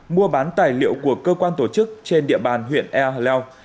mua bán tài liệu của cơ quan tổ chức trên địa bàn huyện ea leo